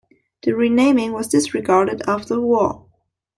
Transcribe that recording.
The renaming was disregarded after the war.